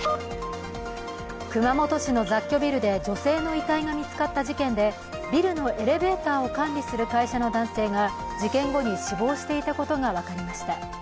熊本市の雑居ビルで女性の遺体が見つかった事件で、ビルのエレベーターを管理する会社の男性が事件後に死亡していたことが分かりました。